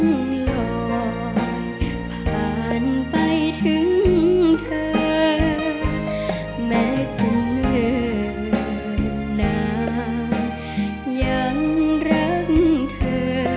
ลงหล่อผ่านไปถึงเธอแม้จะเหนื่อนานยังรักเธอ